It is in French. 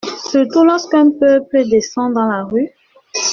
Surtout lorsqu’un peuple “descend dans la rue”.